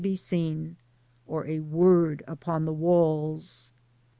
165 be seen 9 or a word upon the walls.